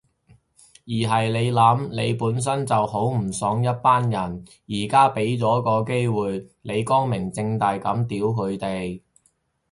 而係你諗，你本身就好唔爽一班人，而家畀咗個機會你光明正大噉屌佢哋